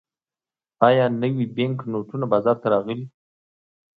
آیا نوي بانکنوټونه بازار ته راغلي؟